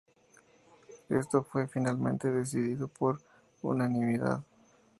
Esto fue finalmente decidido por unanimidad.